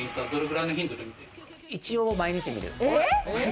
一応、毎日見る。